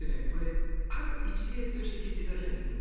ある一例として聞いていただきたいんですが